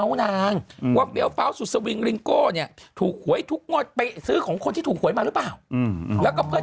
เอากังขึ้นให้พี่หน่อยดิพี่มองไม่เห็น